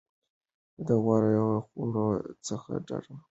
د غوړو خوړو څخه ډډه وکړئ.